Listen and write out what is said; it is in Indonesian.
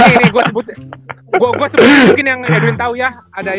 nih nih nih gua sebutin mungkin yang edwin tau ya